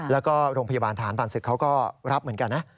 แล้วก็โรงพยาบาลทหารผ่านศึกเขาก็รับเหมือนกันนะ